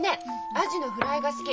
アジのフライが好き。